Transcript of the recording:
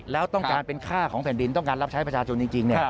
แล้วต้องการเป็นค่าของแผ่นดินต้องการรับใช้ประชาชนจริง